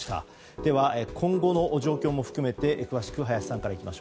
では、今後の状況も含めて詳しく、林さんから。